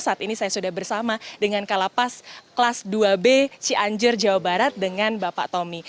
saat ini saya sudah bersama dengan kalapas kelas dua b cianjur jawa barat dengan bapak tommy